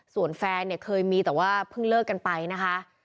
ส่วนแฟนเนี่ยเคยมีแต่ว่าเพิ่งเลิกกันไปนะคะ